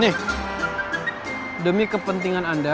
nih demi kepentingan anda